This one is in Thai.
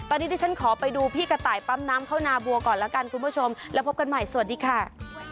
ตอนนี้ที่ฉันขอไปดูพี่กระต่ายปั๊มน้ำเข้านาบัวก่อนแล้วกันคุณผู้ชมแล้วพบกันใหม่สวัสดีค่ะ